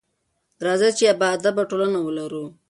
راځئ چې باادبه ټولنه ولرو.